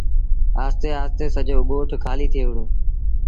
آهستي آهستي سڄو ڳوٺ کآليٚ ٿئي وُهڙو۔